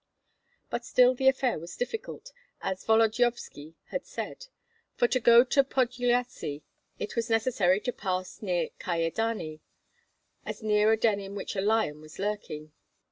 But still the affair was difficult, as Volodyovski had said; for to go to Podlyasye it was necessary to pass near Kyedani, as near a den in which a lion was lurking.